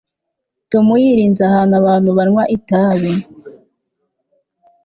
tom yirinze ahantu abantu banywa itabi